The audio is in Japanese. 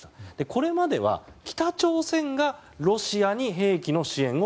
これまでは北朝鮮がロシアに兵器の支援を